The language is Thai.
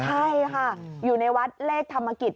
ใช่ค่ะอยู่ในวัดเลขธรรมกิจ